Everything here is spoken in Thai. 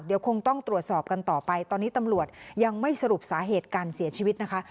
เดี๋ยวคงต้องตรวจสอบกันต่อไปตอนนี้ตำรวจยังไม่สรุปสาเหตุการเสียชีวิตนะคะ